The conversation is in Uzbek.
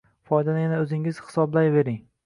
Foydani yana o‘zingiz hisoblayvering!